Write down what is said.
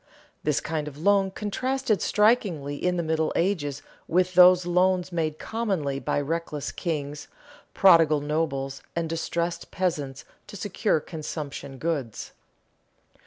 This kind of loan contrasted strikingly in the Middle Ages with those loans made commonly by reckless kings, prodigal nobles, and distressed peasants to secure consumption goods.